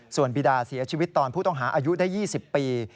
ส่วนบีดาเสียชีวิตตอนผู้ต้องหาอายุได้๒๐ปี